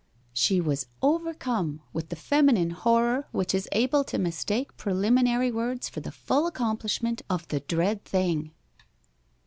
She was overcome with the feminine horror which is able to mistake preliminary words for the full accomplishment of the dread thing.